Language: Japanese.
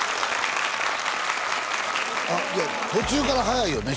あっいや途中からはやいよね